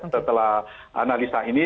setelah analisa ini